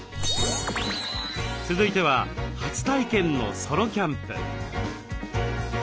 続いては初体験のソロキャンプ。